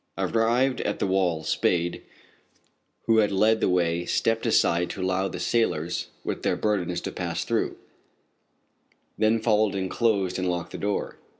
Arrived at the wall, Spade, who had led the way, stepped aside to allow the sailors with their burdens to pass through, then followed and closed and locked the door.